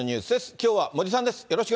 きょうは森さんです。